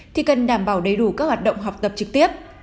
thì cần đảm bảo đầy đủ các hoạt động học tập trực tiếp